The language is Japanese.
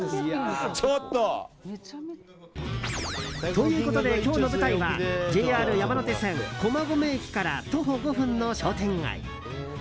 ちょっと！ということで今日の舞台はＪＲ山手線駒込駅から徒歩５分の商店街。